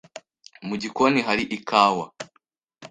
Mu gikoni hari ikawa?